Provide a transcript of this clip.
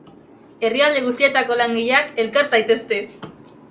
Herrialde guztietako langileak, elkar zaitezte!